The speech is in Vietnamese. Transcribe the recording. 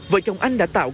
vợ chồng anh đã tạo